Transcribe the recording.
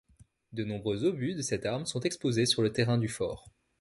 De nombreux obus de cette arme sont exposés sur le terrain du fort.